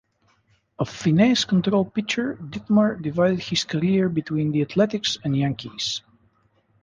A finesse control pitcher, Ditmar divided his career between the Athletics and Yankees.